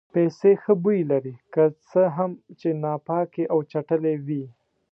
پیسې ښه بوی لري که څه هم چې ناپاکې او چټلې وي.